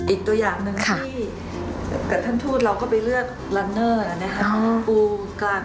อีกตัวอย่างหนึ่งที่ค่ะ